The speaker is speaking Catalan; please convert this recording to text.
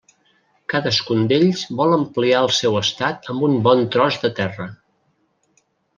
Cadascun d'ells vol ampliar el seu Estat amb un bon tros de terra.